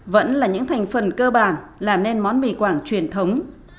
vẫn là những thành phần cơ bản làm nên món mì quảng truyền thống